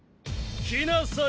来なさい！